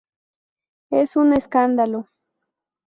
Es un escándalo.